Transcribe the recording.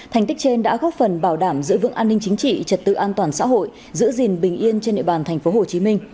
thành tích trên đã góp phần bảo đảm giữ vững an ninh chính trị trật tự an toàn xã hội giữ gìn bình yên trên địa bàn tp hcm